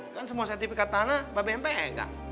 kan semua sertifikat tanah babempeng gak